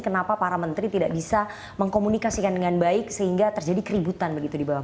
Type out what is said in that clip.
kenapa para menteri tidak bisa mengkomunikasikan dengan baik sehingga terjadi keributan begitu di bawah